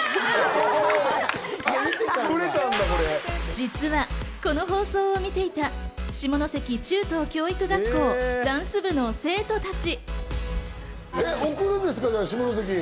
実はこの放送を見ていた下関中等教育学校ダンス部の生徒たち。